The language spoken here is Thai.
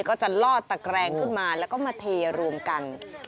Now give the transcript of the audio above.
ก็จะลอดตะแกรงขึ้นมาแล้วก็มาเทรวมกัน